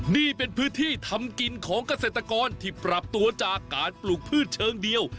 นี่เป็นพื้นที่ทำกินของเกษตรกรที่ปรับตัวจากการปลูกพืชเชิงเดียว